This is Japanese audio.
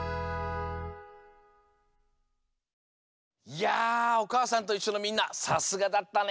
いや「おかあさんといっしょ」のみんなさすがだったね。